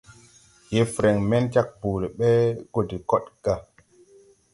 Je freŋ men jāg boole ɓɛ go de kod gà.